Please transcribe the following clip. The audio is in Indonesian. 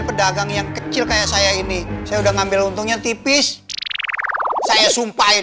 wedang sih sama bu messi